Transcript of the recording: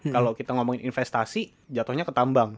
kalau kita ngomongin investasi jatuhnya ke tambang